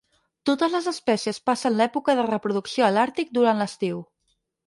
Totes les espècies passen l'època de reproducció a l'Àrtic durant l'estiu.